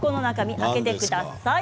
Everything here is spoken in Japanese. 開けてください。